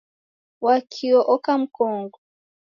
Wakio oka mkongo.